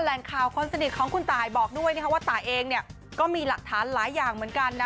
แหล่งข่าวคนสนิทของคุณตายบอกด้วยว่าตายเองก็มีหลักฐานหลายอย่างเหมือนกันนะ